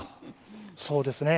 そうですね。